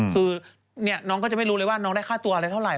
คือน้องก็จะไม่รู้เลยว่าน้องได้ค่าตัวอะไรเท่าไห